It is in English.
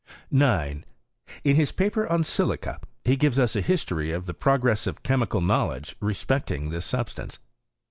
* 9. In his paper on silica he gives us a history of the progress of chemical knowledge respecting this Bubstance.